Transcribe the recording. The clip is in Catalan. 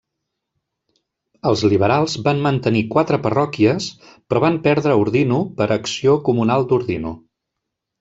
Els liberals van mantenir quatre parròquies però van perdre Ordino per Acció Comunal d'Ordino.